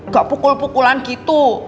gak pukul pukulan gitu